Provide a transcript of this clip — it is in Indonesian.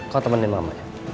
kau temenin mama ya